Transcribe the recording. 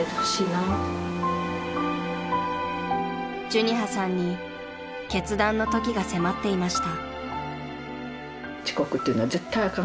［寿仁葉さんに決断の時が迫っていました］